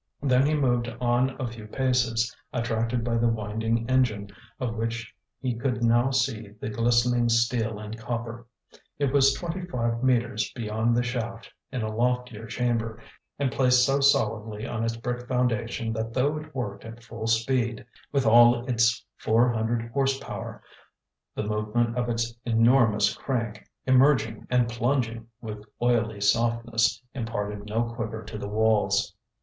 Then he moved on a few paces, attracted by the winding engine, of which he could now see the glistening steel and copper. It was twenty five metres beyond the shaft, in a loftier chamber, and placed so solidly on its brick foundation that though it worked at full speed, with all its four hundred horse power, the movement of its enormous crank, emerging and plunging with oily softness, imparted no quiver to the walls.